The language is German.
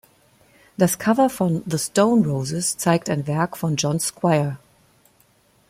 Das Cover von The Stone Roses zeigt ein Werk von John Squire.